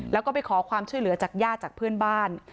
แล้วก็ไปขอความช่วยเหลือจากญาติจากเพื่อนบ้าน